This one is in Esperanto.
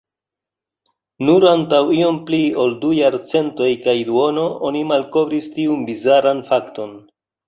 Nur antaŭ iom pli ol du jarcentoj kaj duono, oni malkovris tiun bizaran fakton.